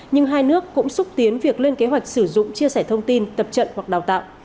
nhưng hai nước cũng xúc tiến việc lên kế hoạch sử dụng chia sẻ thông tin tập trận hoặc đào tạo